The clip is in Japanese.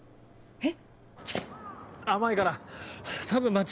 えっ？